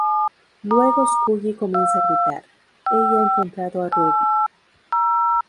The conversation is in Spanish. Luego Scully comienza a gritar: ella ha encontrado a Ruby.